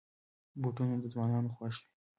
بوټونه د ځوانانو خوښ وي.